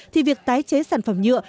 thì việc tái chế sản phẩm nhựa